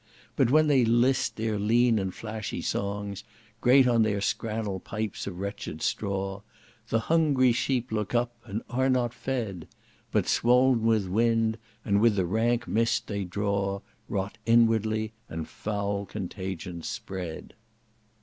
—But when they list their lean and flashy songs, Grate on their scrannel pipes of wretched straw;— The hungry sheep look up, and are not fed! But swoln with wind, and the rank mist they draw, Rot inwardly—and foul contagion spread."